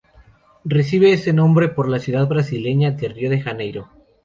Recibe ese nombre por la ciudad brasileña de Río de Janeiro.